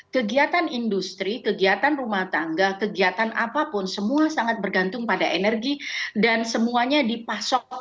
kegiatan industri kegiatan rumah tangga kegiatan apapun semua sangat bergantung pada energi dan semuanya dipasok